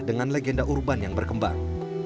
dengan legenda urban yang berkembang